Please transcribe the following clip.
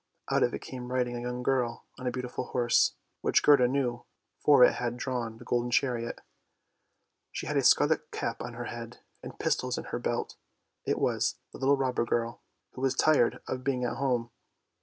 Out of it came riding a young girl on a beautiful horse, which Gerda knew, for it had drawn the golden chariot. She had a scarlet cap on her head and pistols in her belt; it was the little robber girl, who was tired of being at home.